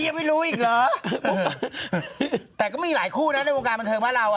สีร้อยน้องมันดูสีกันเลย